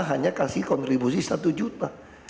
hanya kasih kontribusi satu juta